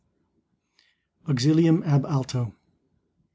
AUXILIUM AB ALTO.